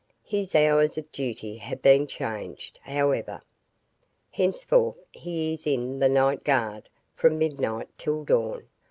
His hours of duty have been changed, however. Henceforth he is in the night guard, from midnight till dawn.